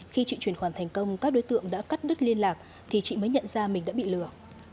khi chị chuyển khoản thành công các đối tượng đã cắt đứt liên lạc thì chị mới nhận ra mình đã bị lừa